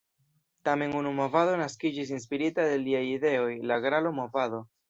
Tamen unu movado naskiĝis inspirita de liaj ideoj: la "Gralo-movado".